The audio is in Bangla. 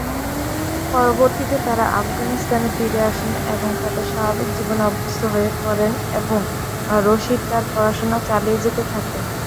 পরবর্তীতে তারা আফগানিস্তানে ফিরে আসেন এবং তার তাদের স্বাভাবিক জীবনে অভ্যস্ত হয়ে পড়েন এবং রশীদ তার পড়াশুনা চালিয়ে যেতে থাকেন।